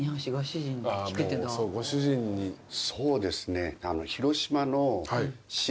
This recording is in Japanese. そうですね。